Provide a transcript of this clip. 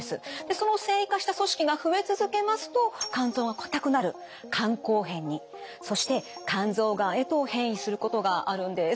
その線維化した組織が増え続けますと肝臓が硬くなる肝硬変にそして肝臓がんへと変異することがあるんです。